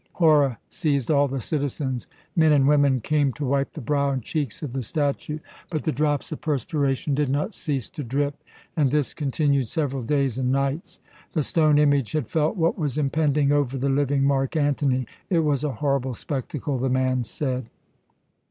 Horror seized all the citizens; men and women came to wipe the brow and cheeks of the statue, but the drops of perspiration did not cease to drip, and this continued several days and nights. The stone image had felt what was impending over the living Mark Antony. It was a horrible spectacle, the man said."